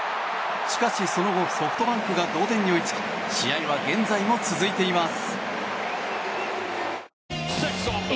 しかし、その後ソフトバンクが同点に追いつき試合は現在も続いています。